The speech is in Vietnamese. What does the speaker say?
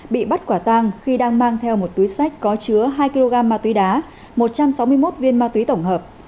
bị bắt quả tang khi đang mang theo một túi sách có chứa hai kg ma túy đá một trăm sáu mươi một viên ma túy tổng hợp